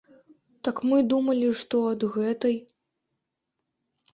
Так мы думалі, што ад гэтай.